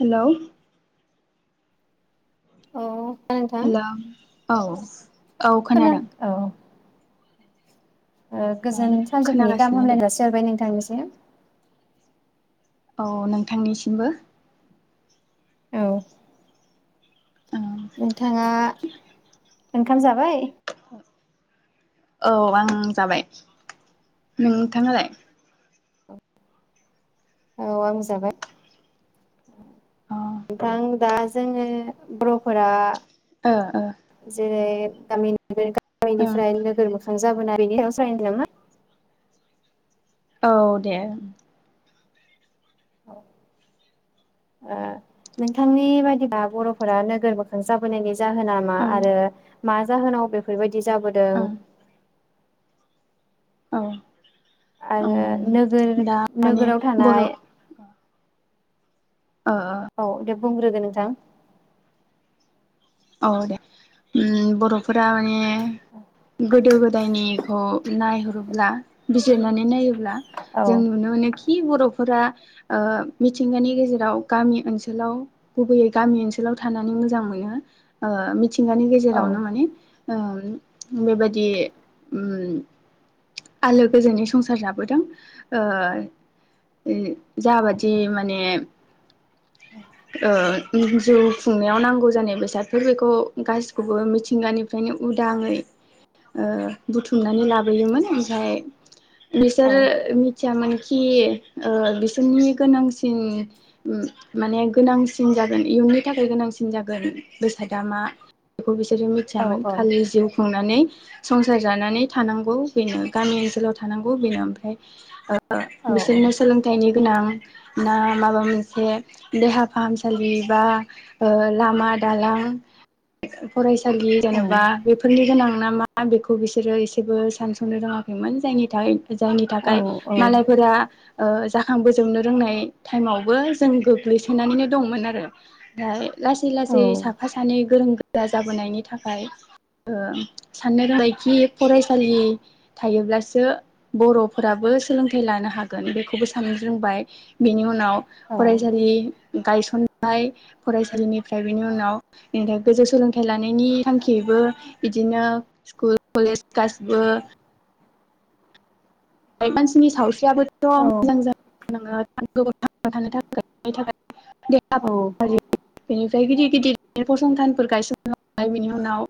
Hello औ नोंथां hello औ औ खोना खोनादों औ ओ औ गोजोन सानजौफुनि गाहाम खोनागासिनो दे हामलायनाय जासिहरबाय नोंथांनिसिम। ओ औ नोंथांनिसिमबो औ नोंथांङा ओंखाम जाबाय औ आं जाबाय नोंथांङालाय औ आं जाबाय अ ओनथां दा जोङो बर'फोरा ओ ओ जेरै तामिन ओं गामिनिफ्राय नोगोर मोखां जाबोना बेनि सायनो नामा औ दे ओ नोंथांनि बायदिब्लाा बर'फोरा नोगोर बोखां जाबोनायनि जाहोना मा ओं आरो मा जाहोनाव बेफोरबायदि बिदि जाबोदों। ओं औ। आरो ओं नोगोर दा माने नोगोराव बर' थानाय ओ औ दे बुंग्रोगोन नों। [inaudible] औ दे बर'फोरा माने गोदो गोदायनिखौ नायहरोब्ला बिजिरनानै नायोब्ला। औ जों नुनो मोनोखि खि बर'फोरा मिथिंगानि गेजेराव गामि ओनसोलाव गुबैयै गामि ओनसोलाव थानानै मोजां मोनो। ओ मिथि। मिथिंगानि औ गेजेरावनो माने बेबायादि आलो गोजोनै संसार जाबोदों जाबादि माने जिउ खुंनायाव नांगौ जानाय बेसाद। बे बेखौ गाैखौबो मिथिंगानिफ्रायनो उदाङै बुथुमनानै लाबोयोमोन ओमफ्राय। औ बिसोरो [inaudible] मोनखि बिसोरनि गोनांसिन माने गोनांसिन जागोन इयुननि थाखाय गोनांसिन जागोन। बेसादा मा खौ बिसोरो औ मिथियामोन खालि जिउ खुं नानै संसार जानानै थांनांगौ बेनो गामि ओनसोलाव थानांगौ बेनो। बिसोरनो सोलोंथाइनि गोनां। ना माबा मोनसे देहा फाहामसालि बा ओ लामा दालां फरायसालि जेनेबा बेफोरनि गोनां ना मा बेखौ बिसोरो एसेबो सानसनो रोङाखैमोन जायनि थाखाय। जायनि थाखाय मालायफोरा जाखां बोजोबनो रोंनाय टाइमावबो जों गोग्लैसोनानैनो दंमोन आरो दा लासै। [inaudible] साफा सानै गोरों। गोरा जाबोनायनि थाखाय साननो रोंबायखि फरायसालि थायोब्लासो बर'फोराबो सोलोंथाइ लानो हागोन बेखौबो साननो रोंबाय बेनि उनाव फरायसालि गायसननाय फरायसालिनिफ्राय ओमफ्राय बेनि उनाव बेनिफ्राय गोजौ सोलोंथाइ लानायनि थांखियैबो बिदिनो स्कुल कलेज गासिबो मानसिनि सावस्रियाबो [inaudible] नोङो गोबाव [inaudible] थांना थानो थाखायनि थाखाय। औ [inaudible] ओफ्राय गिदिर गिदिर फसंथानफोर गायसननो बिनि उनाव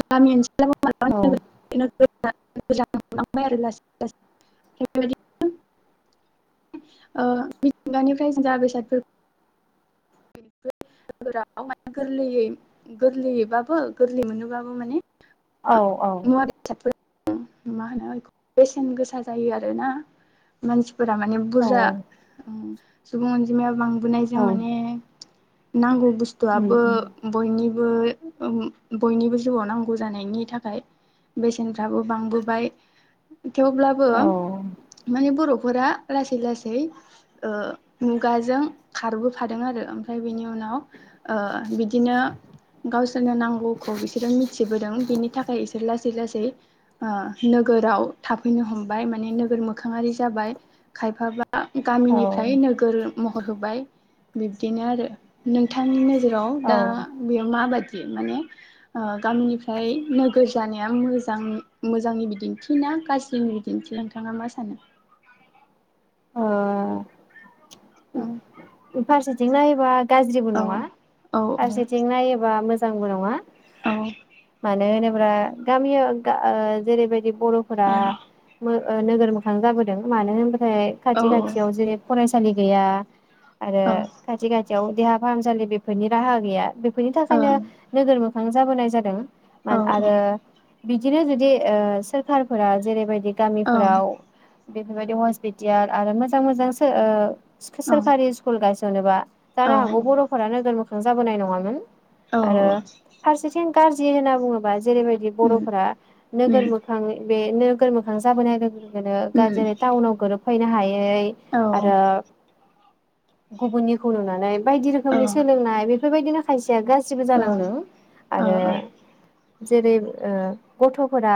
गामि ओनसोल। [inaudible] [inaudible] मोजां जालांबाय आरो लासै [unintelligible] ओ मिथिंगानिफ्राय जा बेसादफोर नोगोराव गोरलैयै गोरलैयैबाबो गोरलै मोनोबाबो माने औ औ मुवा बेसादफोर मा होनो बेसेन गोसा जायो आरोना मानसि फोरा माने औ बुरजा सुबुं अनजिमाया बां बो औ नायजों माने नांगौ बस्तु उम बस्तुआबो उम बयनि बयनिबो ओ जिउआव नांगौ जानायनि थाखाय बेसेनफ्राबो बांबोबाय थेवब्लाबो औ माने बर'फोरा लासै लासै मुगाजों ओ खारबोफादों आरो । ओमफ्राय बिनि उनाव ओ बिदिनो गावसोरनो नांगौखौ बिसोरो मिथिबोदों बिनि थाखाय बिसोर लासै लासै ओ नोगोराव थाफैनो हमबाय माने नोगोर मोखाङारि जाबाय खायफाबा औ गामिनिफ्राय नोगोर महर होबाय बिब्दिनो नोंथांनि नो मोनियाव औ ओ दा बेयाव मा बायदि माने गामिनिफ्राय नोगोर जानाया मोजां मोजांनि बिदिन्थिना गाज्रिनि बिदिन्थि नोंथाङा मा सानो? औ फारसेथिं नायोबा गाज्रिबो नङा फारसेथिं नायोबा मोजां मोजांबो नङा । मानो होनोबा ओ गामियाव ओ जेरैबायदि बर'फोरा ओ नोगोर मोखां जाबोदों मानो होनोबा खाथि खाथियाव जेरै फराय सालि गैया आरो खाथि खा थियाव देहा फाहामसालि बेफोरनि राहा गैया बे फोरनि थाखायनो नोगोरमोखां जाबोनाय जादों । मान आरो बिदिनो जुदि ओ सोरखारफोरा जेरैबायदि गामिफोराव बेफोरबायदि हस्पिटियाल आरो मोजां मोजांसो ओ सो-सरकारि गायसनोबा जानो हागौ बर'फोरा नोगोर थांजाबोनाय नङामोन। औ आरो औ। फारसेथिं गाज्रि होनना बुङोबा जेरैबायदि बर'फोरा नोगोर मोखां बेनो नोगोरमोखां जाबोनाय लोगो लोगो नो दा जेरै ताउनाव गोरोब फैनो हायो । यै आरो गुबुननिखौ नुनानै बायदि रोखोमनि सोलोंनाय बे बेफोरबायदिनो खायसे खायसेया गाज्रिबो जालांदों आरो जेरै ओ गथ'फोरा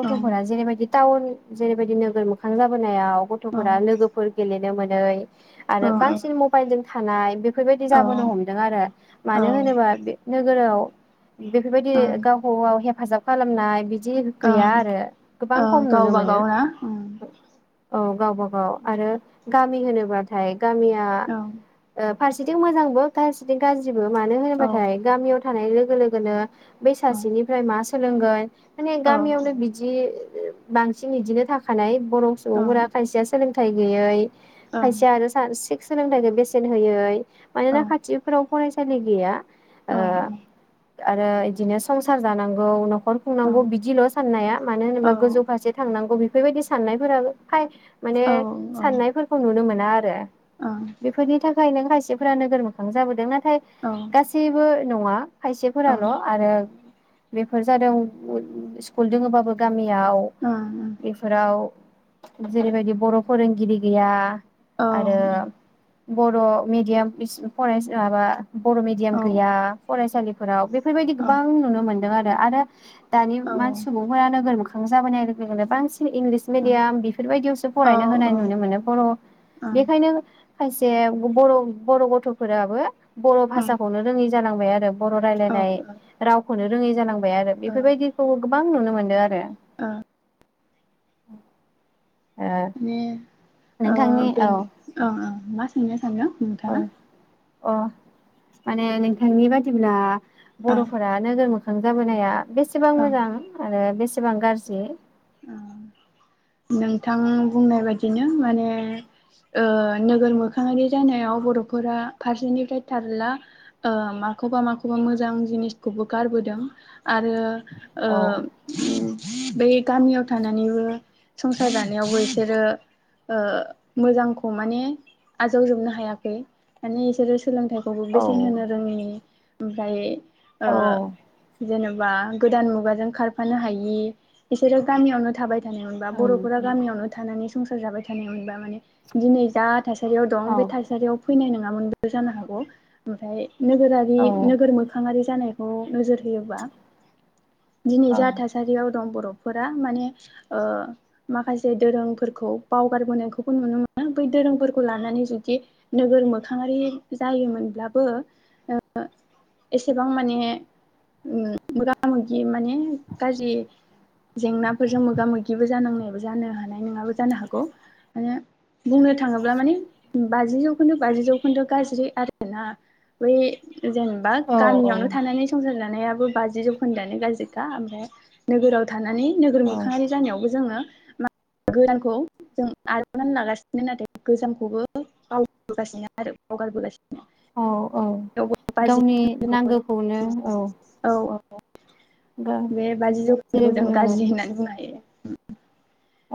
गथ'फोरा जेरैबायदि टाउन जेरैबायदि नोगोर मोखां जाबोनाय याव गथ'फोरा लोगोफोर गेलेनो मोन नै आरो बांसिन मबाइलजों थानाय बेफोरबायदि जाबोनो हमदों आरो मानो होनोबा बे नो नोगोराव बेफोरबायदि गावखौ गाव हेफाजाब खालामनाय बिद दि गैया आरो गोबां खम नुनो गावबा मोनो गाव । ना ओं औ गावबा गाव आरो गा मि होनोबाथाय गामिया औ या ओब फारसेथिं मोजांबो गाज्रिदों गाज्रिब मानो औ होनोबाथाय गामियाव थानाय लोगो लोगो लोगोनो बेै सासेनिफ्राय मास फोरोंगोन। माने औ ओं गामियावनो बिदि बांसिन इदिनो थाखानाय बर' ओं सुबुंफोरा ओं खायसेया सोंलों थाइ गैयै ओं खायसे आरो [unintelligible] सोलोंथाइखो बेसेन होयै मानोना खाथिफोराव फरायसालि गैया। ओ अ ओं। आरो इदिनो संसार जानांगौ न'ख खर खुंनांगौ बिदिल' साननाया मानो होनबा गोजौ फारसे थांनांगौ बेफ फोरबायदि साननायफोराबो फाय माने साननायफोरखौ नुनो मोन ना आरो ओं बेफोरनि थाखाय नों खायसेफोरा नोगोर मोखां जाबोदों नाथाय थाय गासैबो नङा। औ खायसेफोराल' आरो बेफोर जादों स्कुल दोङोबाबो गामि याव माने बेफोराव जेरैबायदि बर' फोरोंगिरि गैया ओ आरो बर' मिडियाम पिस फरायसा माबा बर' मिडियाम गैया फरायसालि फोराव बे बेफोरबायदि गोबां नुनो मोनो। दों आरो आरो दानि मान सुबुंफोरा नोगोर मोखां मोखां जाबोनाय लोगो लोगोनो बांसिन इंलिस मिडियाम बेफोरबायदियावसो फरायनो होनाय नुनो मोनो बर' बेखायनो खायसे बर' बर' गथ'फोराबो बर' भाषाखौनो रोङि जानां बाय आरो। बर' रायलायनाय रावखौनो रोङै जांगौ आरो बेफोरबायदिखौ गोबां नुनो मोनदों आरो ओ औ माने ओ ओ औ औ औ मा सोंनो हेल' बुं औ नोंथाङा अ माने नोंथांनि बादि होनोमटब्ला ओ बर'फोरा नोगोर जाबोनाया बेसेबां ओं मोजां आरो बेसे सेबां गाज्रि ओम नोंथां बुंनाय बायदिनो माने ओ नोगोर मोखाङारि जानायाव बर'फोरा फारसेनिफ्राय थारला ओ माखौबा माखौबा मोजां जिनिसखौबो गारबोदों आरो ओ औ उम बेै गामियाव थानानैबो संसार जानायावबो इसोरो ओ मोजांखौ माने आजावजोबनो हायाखै माने इसोरो सोलोंथाइखौबो औ बेसेन होनो रोङिनि ओमफ्राय औ ओ जेनेबा गोदान मुगाजों खारफानो हायि बिसोरो गामियावनो थाबाय [unintelligible] बा ओं बर'फोरा ओं गामियावनो थानानै संसार जाबाय थानाय मोनब दिनै जा थासारियाव दं औ बे थासारियाव फैनाय नङा नामोनबो जानो हागौ ओमफ्राय नोगोरारि औ नोगोर मोखांआरि जानाय अ नोजोर होयोबा दिनै औ जा थासारियाव दं बर' फोरा माने ओ माखासे दोरोंफोरखौ बावगारबोनायखौबो नुनो मोनो बै दोरोंफोरखौ लानानै जुदि नोगोर मोखाङारि जायोमोनब्लाबो ओ एसेबां माने मोगा मोगि माने गाज्रि जेंनाफोरजों मोगा मोगिबो जानांनायबो जानो हानाय नङाबो जानो हागौ माने बुंनो थाङोब्ला माने बाजि जौखोन्दो बाजि जौखोन्दो गाज्रि आरोना बै जेनेबा औ गामियावनो थानानै संसार जा थानायाबो बाजि जौखोन्दोआनो गाज्रिखा ओमफ्राय नोगोराव थानानै नोगोर औ मोखाङारि जानायावबो जोङो [unintelligible] आजावनानै लागासिनो नाथाय गोजामखौबो बावबोगासिनो आरो बावगारबोगासि औ औ गावनि नांगौखौनो औ औ बे बाजि जौ जेरै जों गाज्रि होननानै [unintelligible] [unintelligible]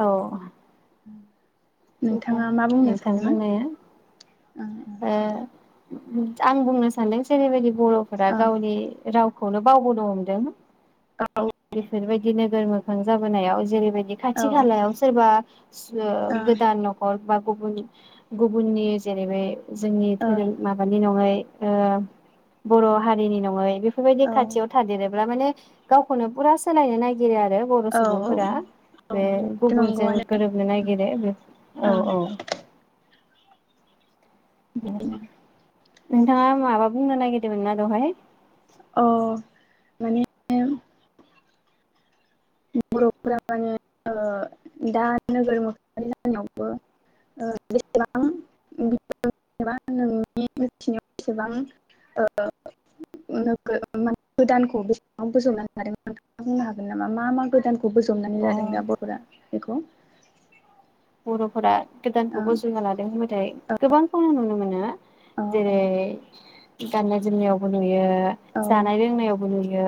औ [unintelligible] नोंथाङा मा बुंनो नोंथां सानदोंमोन? बुंनाया ओ आं बुंनो सानदों जेरैबायदि बर'फोरा ओं गावनि राव खौनो बावबोनो हमदों औ बेफोरबायदि नोगोर मोखां जाबोनायाव जेरैबाय औ खाथि खालायाव सोरबा ओ औ गोदान न'खर बा गुबुननि गुबुननि जेरै बै जोंनि औ धोरोम माबानि नङै ओ बर' हारिनि नङै बेफोरबायदि खाथियाव थादेरोब्ला माने गाव खौनो पुरा सोलायनो नाय गिरो आरो बर' औ सुबुंफोरा औ बे बेथ' गुबुनजों नंगौआनो गोरोबनो नागिरो औ ओं औ बिदिनो [inaudible] नोंथाङा माबा बुंनो नागिरदोंमोन ना दहाय? अ माने बर'फोरा माने ओ दा नोगोर [unintelligible] जानायावबो ओ बेसेबां [unintelligible] नोंनि मिथिनायाव बेसेबां ओ नोगो [unintelligible] गोदानखौ बेसेबां [unintelligible] हादोंमोन नोंथाङा बुंनो हागोन नामा? मा मा गोदानखौ बोजबनानै अ लादों दा बर'फोरा बेखौ बर'फोरा गोदानखौबो ओं बजबना लादों होनबाथाय गोबांखौनो नुनो मोनो औ औ जेरै गाननाय जोमनियावबो नुयो औ जानाय ओं लोंनायावबो नुयो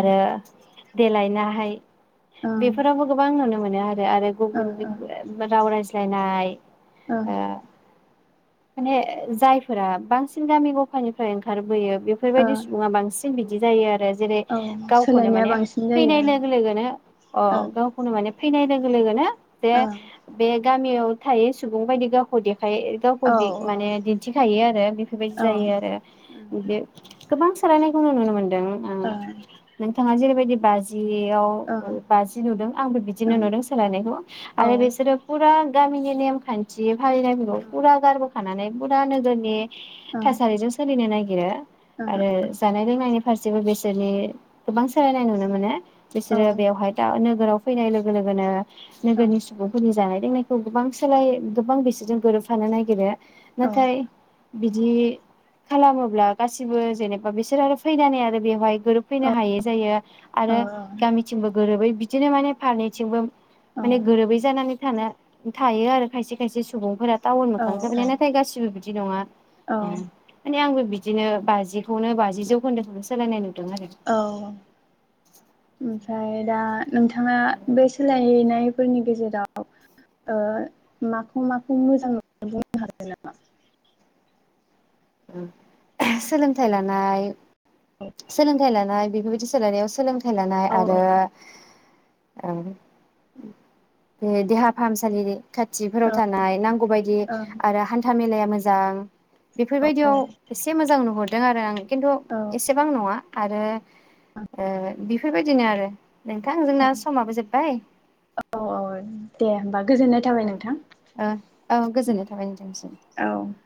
आरो देलायनाहाय ओं बेफोरावबो गोबां नुनो मोनो आरो गुबुन [inaudible] राव रायज्ला जानाय ओ माने जायफोरा बांसिन गामि गफानिफ्राय ओंखारबोयो बेफोरबायदि ओं सुबुङा बांस सिन बिदि जायो आरोस जेरै ओं औ गावखौनो सोलायनाया माने बांसिन फैनाय जायो लोगो लोगोनो अ ओं गावखौनो माने फैनाय लोगो लोगोनो जे ओं बेग गामियाव थायो सुबुं बायदि गावखौ देखायो। खौ दे माने ओं दिन्थिखायो आरो बेफोरबायदि औ जायो आरो बे गोबां सोलायनायखौ नु नुनो मोन दों आं औ नोंथाङा जैरैबायद दि बाज जियाव ओ ओं बाजि नुदों आंबो बिदिनो ओं नुदों सोलायनायखौ ओं औ आरो बिसोरो फुरा गामिनि नेम खान्थि हारिनायफोरखौ फुरा पु खानानै पुरा नोजोरनि ओं थासारिजों सोलिनो नायग गिरो आरोे जानाय लोंनायनि फारसेबो बेसोरनि गोबां सोलायनाय नुनो मोनो बिसोरो ओं बेवहाय दा नोगोराव फैनाय लोगो लोगोनो औ नोगोरनि सुबुंफोरनि जानाय लोंनायखौ गोबां सोलाय गोबां बिसोरजों गोरोबफानो नायग गिरो। नाथाय बिदि खालामोब्ला गासिबो जेनेबा बिसोर आरो फैनानै आरो बेवहाय गोरोबफैनो हायै जायो आरो गामिथिंबो गोरोबै बिदिनो माने फारनैथिंबो माने गोरोबै जानानै थानो थायो आरो खायसे खायसे सुबुंफोरा टाउन लानो जाबाय औ ने नाथाय गासिबो बिदि नङा औ उम माने आंबो बि दिनो बाजिखौनो बाजि जौखोन्दोखौनो सोलायनाय नु औ ओमफ्राय दा नोंथाङा बे सोलायनायफोरनि गेजेराव ओ माखौ माखौ मोजां मोनो बुंनो हागोन नामा? ओ सोलोंथाइ लानाय सोलोंथाइ लानाय बेफोरबायदि सोलायनायाव सोलों थाइ लानाय आरो औ औ दे-देहा फाहामसालिनि खाथिफोराव औ थानाय नांगौ बायदि औ आरो हान्था मेलाया मो जां बेफोरबायदियाव ओं एसे मोजां नुहर दों आरो आं । खेनथु औ एस सेबां नङा आरो ओ बि फोरबायदिनो आरो । नोंथां औ जोंना समाबो जोब्बाय औ दे होमबा गोजोननाय थाबाय ओं नोंथां। ओ औ गोजोननाय थाबाय नोंथांनिसिम औ ओम ।